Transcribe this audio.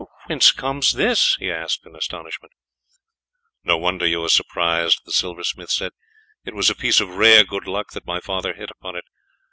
"Whence comes this?" he asked in astonishment. "No wonder you are surprised," the silversmith said; "it was a piece of rare good luck that my father hit upon it.